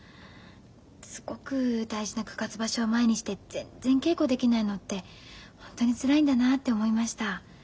すごく大事な九月場所を前にして全然稽古できないのってホントにつらいんだなって思いました。